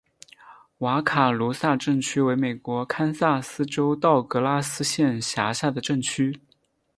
瓦卡鲁萨镇区为美国堪萨斯州道格拉斯县辖下的镇区。